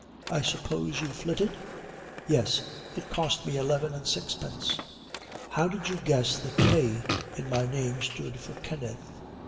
I suppose you flitted?' 'Yes, it cost me eleven and sixpence.' 'How did you guess the K in my name stood for Kenneth?'